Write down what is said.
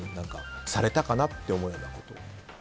されたかなって思うような。